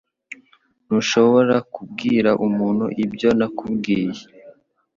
Ntushobora kubwira umuntu ibyo nakubwiye.